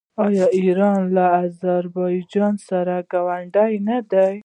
آیا ایران له اذربایجان سره ګاونډی نه دی؟